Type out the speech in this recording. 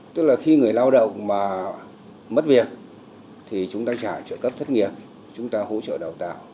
tức là khi người lao động mà mất việc thì chúng ta trả trợ cấp thất nghiệp chúng ta hỗ trợ đào tạo